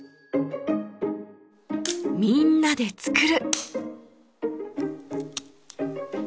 みんなで作る！